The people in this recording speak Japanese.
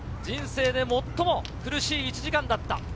人生で最も苦しい１時間だった。